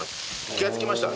気がつきました？